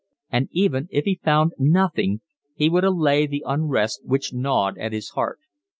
And even if he found nothing he would allay the unrest which gnawed at his heart.